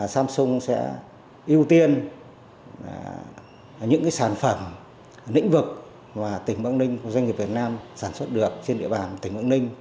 samsung sẽ ưu tiên những sản phẩm lĩnh vực mà tỉnh bắc ninh doanh nghiệp việt nam sản xuất được trên địa bàn tỉnh bắc ninh